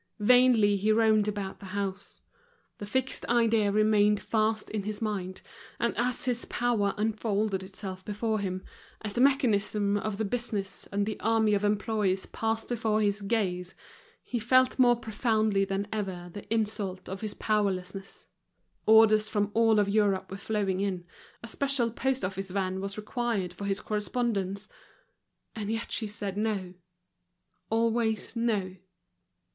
Vainly he roamed about the house; the fixed idea remained fast in his mind, and as his power unfolded itself before him, as the mechanism of the business and the army of employees passed before his gaze, he felt more profoundly than ever the insult of his powerlessness. Orders from all Europe were flowing in, a special post office van was required for his correspondence; and yet she said no, always no.